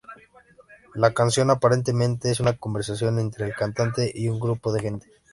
La canción aparentemente es una conversación entre el cantante y un grupo de gente.